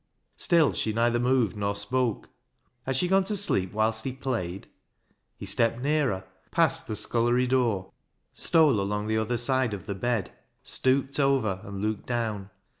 Still she neither moved nor spoke. Had she gone to sleep whilst he played ? He stepped nearer, passed the scullery door, stole along the other side of the bed, stooped over and looked down.